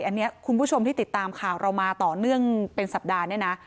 อันนี้คุณผู้ชมที่ติดตามข่าวเรามาต่อเนื่องเป็นสัปดาห์เนี่ยนะ